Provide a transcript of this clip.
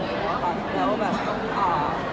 เขาก็มาหา